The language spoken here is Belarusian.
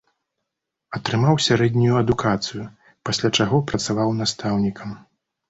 Атрымаў сярэднюю адукацыю, пасля чаго працаваў настаўнікам.